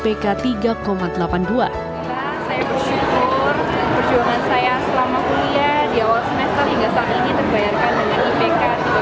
saya bersyukur perjuangan saya selama kuliah di awal semester hingga saat ini terbayarkan dengan ipk tiga delapan puluh dua